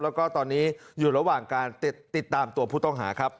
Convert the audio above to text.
แล้วก็ตอนนี้อยู่ระหว่างการติดตามตัวผู้ต้องหาครับ